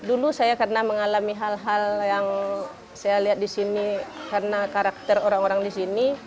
dulu saya karena mengalami hal hal yang saya lihat di sini karena karakter orang orang di sini